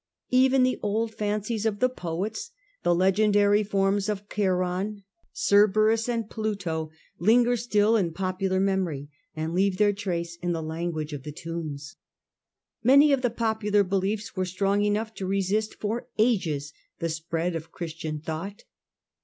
Even the old fancies of the poets, the legendary forms of Charon, Cerberus, and Pluto, linger still in popular memory and leave their trace in the language of the tombs. Many of the popular beliefs were strong enough to resist for ages the spread of Christian thought.